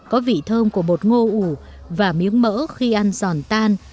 có vị thơm của một ngô ủ và miếng mỡ khi ăn giòn tan